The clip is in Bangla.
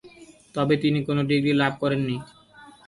তবে, তিনি কোন ডিগ্রি লাভ করেননি।